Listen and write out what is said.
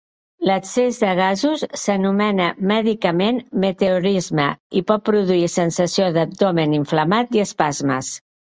L'excés de gasos s'anomena mèdicament meteorisme i pot produir sensació d'abdomen inflamat i espasmes.